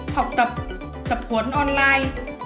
học tập tập huấn online